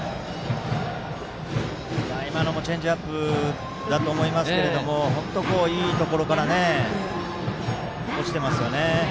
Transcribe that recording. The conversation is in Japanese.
今のもチェンジアップだと思いますが本当にいいところから落ちていますね。